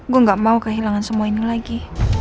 gue gak mau kehilangan semua ini lagi